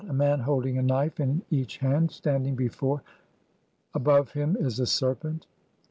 A man holding a knife in each hand standing before \7 ; above him is a serpent.